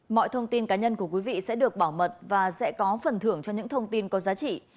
mọi thông tin cá nhân của quý vị sẽ được bảo mật và sẽ có phần thưởng cho những thông tin có giá trị